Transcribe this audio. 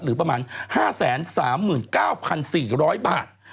หรือประมาณ๕๓๙๔๐๐บาท